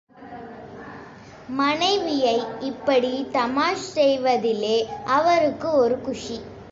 மனைவியை இப்படித் தமாஷ் செய்வதிலே அவருக்கு ஒரு குஷி.